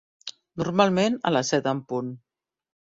Normalment a les set en punt.